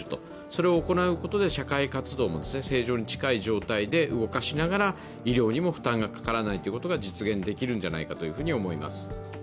それによって社会活動も正常に近い状態で動かしながら医療にも負担がかからないということが実現できるんじゃないかと思います。